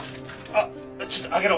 あっちょっと上げろ。